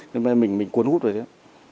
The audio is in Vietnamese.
nên mình cuốn hút rồi đấy